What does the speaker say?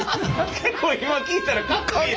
結構今聴いたらかっこいい。